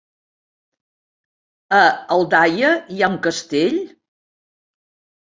A Aldaia hi ha un castell?